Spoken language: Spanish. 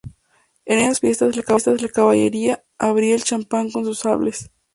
En esas fiestas la caballería abría el champán con sus sables.